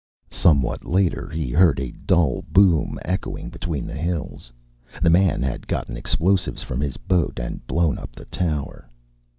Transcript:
Somewhat later, he heard a dull boom echoing between the hills. The man had gotten explosives from his boat and blown up the tower.